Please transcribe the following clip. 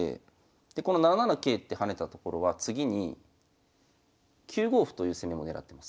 でこの７七桂って跳ねたところは次に９五歩という攻めもねらってます。